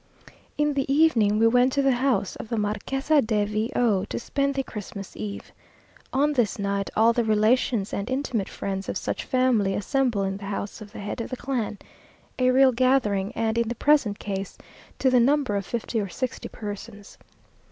In the evening we went to the house of the Marquesa de V o, to spend the Christmas eve. On this night all the relations and intimate friends of each family assemble in the house of the head of the clan, a real gathering, and in the present case to the number of fifty or sixty persons.